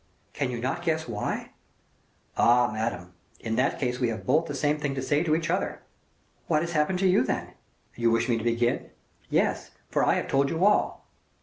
"Can you not guess why?" "Ah, Madame! in that case we have both the same thing to say to each other." "What has happened to you, then?" "You wish me to begin?" "Yes, for I have told you all."